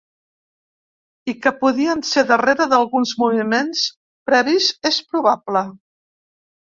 I que podien ser darrere d’alguns moviments previs és probable.